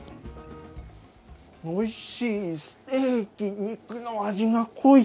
おいしいステーキ、肉の味が濃い。